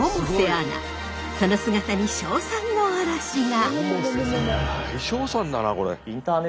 その姿に称賛の嵐が！